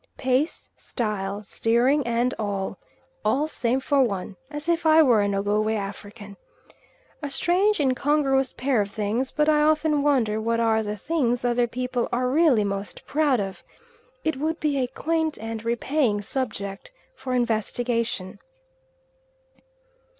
Pace, style, steering and all, "All same for one" as if I were an Ogowe African. A strange, incongruous pair of things: but I often wonder what are the things other people are really most proud of; it would be a quaint and repaying subject for investigation.